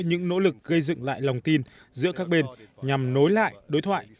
những nỗ lực gây dựng lại lòng tin giữa các bên nhằm nối lại đối thoại